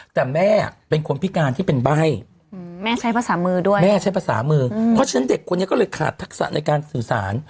แต่แม่เป็นคนพิการที่เป็นใบ้แม่ใช้ภาษามือด้วยแม่ใช้ภาษามือเพราะฉะนั้นเด็กคนนี้ก็เลยขาดทักษะในการสื่อสาร